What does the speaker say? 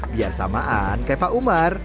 biar samaan kayak pak umar